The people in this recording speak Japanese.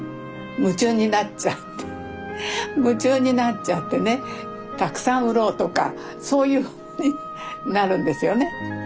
夢中になっちゃって夢中になっちゃってねたくさん売ろうとかそういうふうにねなるんですよね。